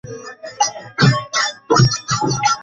তোমার love story শোনাও।